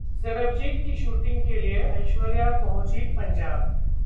'सरबजीत' की शूटिंग के लिए ऐश्वर्या पहुंची पंजाब